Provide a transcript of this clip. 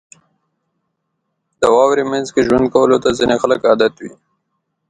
• د واورې مینځ کې ژوند کولو ته ځینې خلک عادت وي.